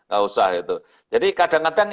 nggak usah itu jadi kadang kadang